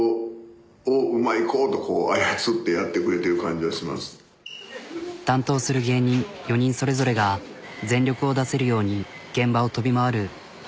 ははははっまあ担当する芸人４人それぞれが全力を出せるように現場を飛び回る。